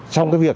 trong cái việc